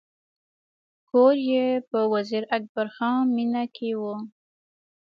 کور یې په وزیر اکبر خان مېنه کې و.